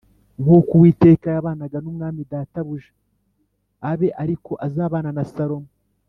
Nk’uko Uwiteka yabanaga n’umwami databuja abe ari ko azabana na Salomo